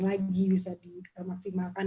lagi bisa dimaksimalkan